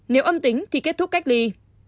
nếu âm tính thì kết thúc cách ly